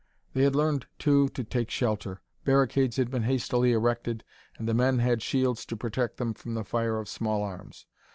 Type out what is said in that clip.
They had learned, too, to take shelter; barricades had been hastily erected, and the men had shields to protect them from the fire of small arms.